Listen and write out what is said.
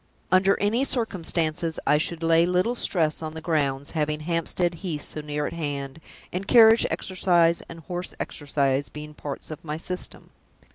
Under any circumstances, I should lay little stress on the grounds, having Hampstead Heath so near at hand, and carriage exercise and horse exercise being parts of my System.